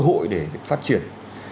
cơ hội để phát triển